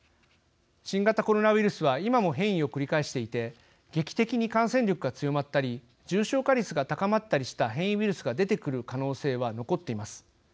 新型コロナウイルスは今も変異を繰り返していて劇的に感染力が強まったり重症化率が高まったりした変異ウイルスが出てくる可能性は残っています。